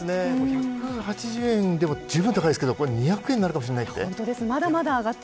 １８０円でもじゅうぶん高いですけど２００円になるかもしれない。